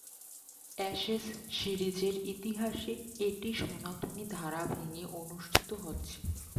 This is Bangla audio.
অ্যাশেজ সিরিজের ইতিহাসে এটি সনাতনী ধারা ভেঙ্গে অনুষ্ঠিত হচ্ছে।